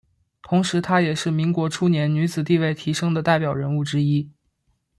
同时她也是民国初年女子地位提升的代表人物之一。